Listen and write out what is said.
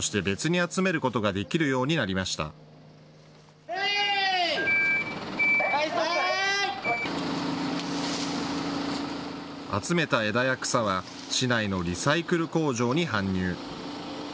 集めた枝や草は市内のリサイクル工場に搬入。